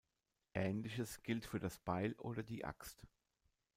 Ähnliches gilt für das Beil oder die Axt.